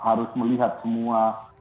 harus melihat semua